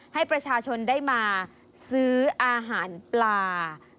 ให้ประชาชนได้มาซื้ออาหารปลา